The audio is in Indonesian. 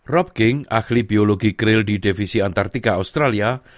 rob king ahli biologi kerel di divisi antartika australia